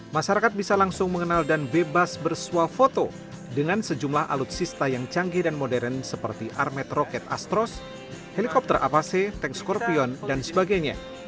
masyarakat bisa langsung mengenal dan bebas bersuah foto dengan sejumlah alutsista yang canggih dan modern seperti armet roket astros helikopter apache tank skorpion dan sebagainya